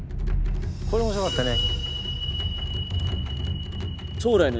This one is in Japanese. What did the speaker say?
これ面白かったね。